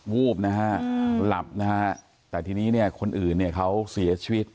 วูบนะฮะหลับนะฮะแต่ทีนี้เนี่ยคนอื่นเนี่ยเขาเสียชีวิต